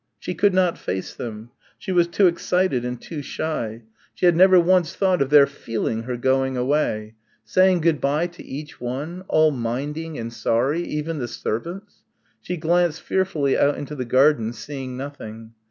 She could not face them. She was too excited and too shy.... She had never once thought of their "feeling" her going away ... saying good bye to each one ... all minding and sorry even the servants. She glanced fearfully out into the garden, seeing nothing.